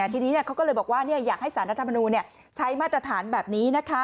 ทีนี้เขาก็เลยบอกว่าอยากให้สารรัฐมนูลใช้มาตรฐานแบบนี้